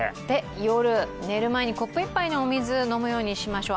夜、寝る前にコップ１杯のお水を飲むようにしましょう。